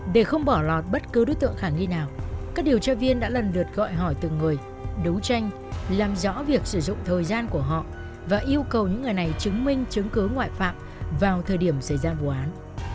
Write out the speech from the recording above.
để không bỏ lọt bất cứ đối tượng khả nghi nào các điều tra viên đã lần lượt gọi hỏi từng người đấu tranh làm rõ việc sử dụng thời gian của họ và yêu cầu những người này chứng minh chứng cứ ngoại phạm vào thời điểm xảy ra vụ án